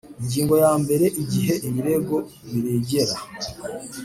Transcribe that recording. Ingingo ya mbere Igihe ibirego biregera